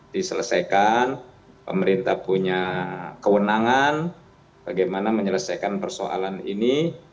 diselesaikan pemerintah punya kewenangan bagaimana menyelesaikan persoalan ini